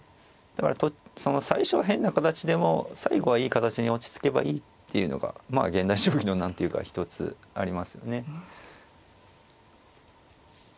だから最初は変な形でも最後はいい形に落ち着けばいいっていうのがまあ現代将棋の何ていうか一つありますよね。